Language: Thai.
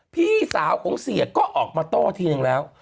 พี่สาวของเสียก็ออกมาโต้ทีนึงแล้ว